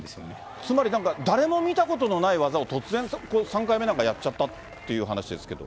つまり誰も見たことのない技を突然、３回目なんかやっちゃったっていう話なんですけど。